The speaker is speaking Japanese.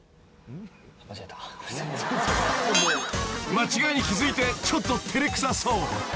［間違いに気付いてちょっと照れくさそう］